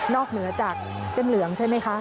เหนือจากเส้นเหลืองใช่ไหมคะ